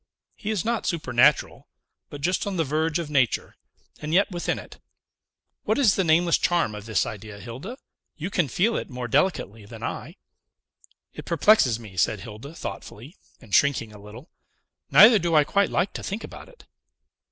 He is not supernatural, but just on the verge of nature, and yet within it. What is the nameless charm of this idea, Hilda? You can feel it more delicately than I." "It perplexes me," said Hilda thoughtfully, and shrinking a little; "neither do I quite like to think about it."